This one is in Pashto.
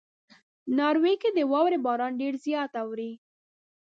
ناروې کې د واورې باران ډېر زیات اوري.